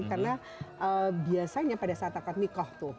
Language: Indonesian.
karena biasanya pada saat akad nikah tuh